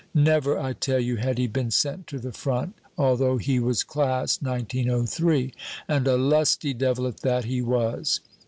Never, I tell you, had he been sent to the front, although he was Class 1903, [note 1] and a lusty devil at that, he was.